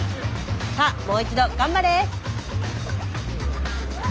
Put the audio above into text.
さあもう一度頑張れ！